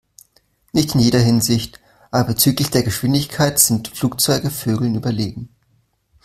Nicht in jeder Hinsicht, aber bezüglich der Geschwindigkeit sind Flugzeuge Vögeln überlegen.